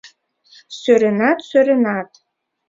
— Сӧренат, сӧренат!